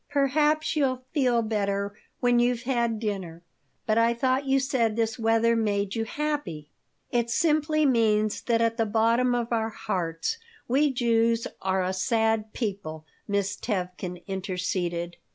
"Perhaps you'll feel better when you've had dinner. But I thought you said this weather made you happy." "It simply means that at the bottom of our hearts we Jews are a sad people," Miss Tevkin interceded.